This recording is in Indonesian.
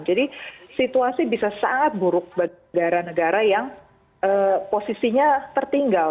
jadi situasi bisa sangat buruk bagi negara negara yang posisinya tertinggal